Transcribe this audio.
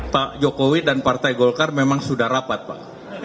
pak jokowi dan partai golkar memang sudah rapat pak